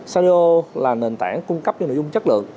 saudio là nền tảng cung cấp những nội dung chất lượng